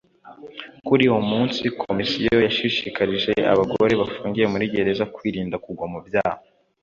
Kuri uwo munsi Komisiyo yashishikarije abagore bafungiye muri gereza kwirinda kugwa mu byaha